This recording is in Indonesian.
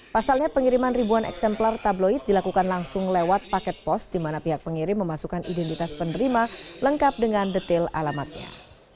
pasalnya pengiriman ribuan eksemplar tabloid dilakukan langsung lewat paket pos di mana pihak pengirim memasukkan identitas penerima lengkap dengan detail alamatnya